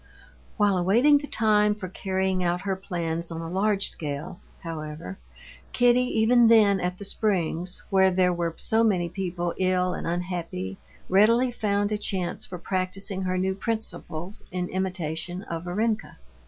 While awaiting the time for carrying out her plans on a large scale, however, Kitty, even then at the springs, where there were so many people ill and unhappy, readily found a chance for practicing her new principles in imitation of Varenka.